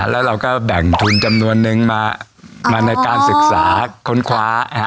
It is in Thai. แล้วเราก็แบ่งทุนจำนวนนึงมาในการศึกษาค้นคว้า